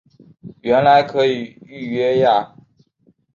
原来可以预约呀